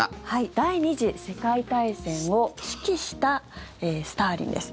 第２次世界大戦を指揮したスターリンです。